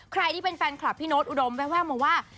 ใครที่เป็นแฟนคลับพี่โน๊ตอุดมแววมาว่า